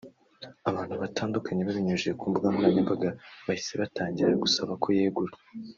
abantu batandukanye babinyujije ku mbuga nkoranyambaga bahise batangira gusaba ko yegura